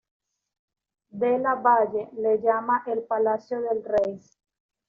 Della Valle le llama el "Palacio del Rey".